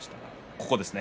ここですね。